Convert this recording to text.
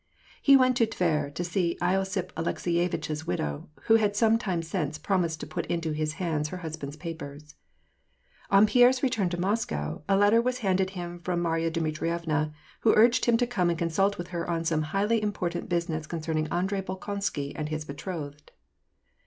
He went to Tver to see losiph Alek seyevitch's widow, who had some time since promised to put into his hands her husband's papers. On Pierre's return to Moscow a letter was handed him from Marya Dmitrievna, who urged him to come and consult with her on some highly important business concerning Andrei Bolkonsky and his betrothed.